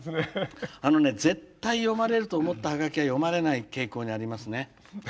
あのね絶対読まれると思ったハガキが読まれない傾向にありますね。